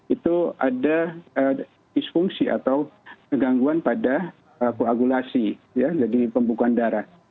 itu ada disfungsi atau gangguan pada koagulasi jadi pembukaan darah